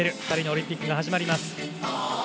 ２人のオリンピックが始まります。